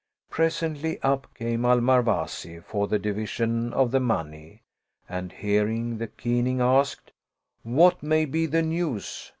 Pres ently, up came Al Marwazi, for the division of the money, and hearing the keening asked, " What may be the news